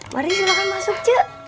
mari silahkan masuk cik